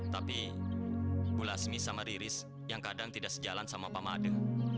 tapi bu lasmi sama riris yang kadang tidak sejalan sama pak made